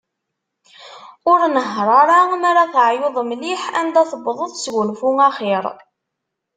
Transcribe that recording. Ur nehher ara mi ara teɛyuḍ mliḥ, anda tewḍeḍ, sgunfu axir.